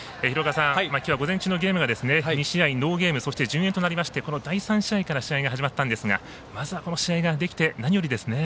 きょうは午前中のゲームが２試合ノーゲームそして順延となって第３試合から始まったんですがまずは、試合ができて何よりですね。